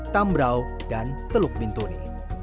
sambraw dan teluk bintuni